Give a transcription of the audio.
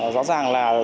rõ ràng là